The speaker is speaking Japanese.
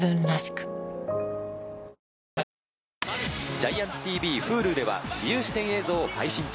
ＧＩＡＮＴＳＴＶ、Ｈｕｌｕでは自由視点映像を配信中。